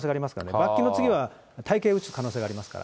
罰金の次はたいけいをうつ可能性がありますから。